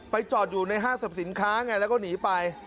จอดอยู่ในห้างสรรพสินค้าไงแล้วก็หนีไป